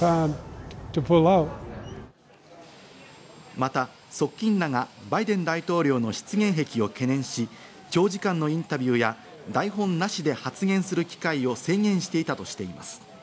また側近らがバイデン大統領の失言癖を懸念し、長時間のインタビューや台本なしで発言する機会を制限していたとしています。